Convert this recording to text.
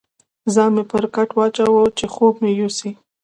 ځان مې پر کټ واچاوه، چې خوب مې یوسي.